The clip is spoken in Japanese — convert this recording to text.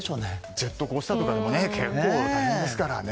ジェットコースターとかも結構揺れますからね。